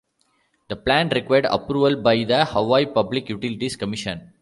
The plan required approval by the Hawaii Public Utilities Commission.